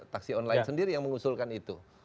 taksi online sendiri yang mengusulkan itu